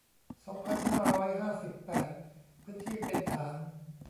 สองพันห้าร้อยห้าสิบแปด พื้นที่เป็นฐาน